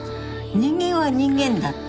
人間は人間だって。